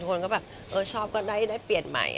คนก็แบบเออชอบก็ได้เปลี่ยนใหม่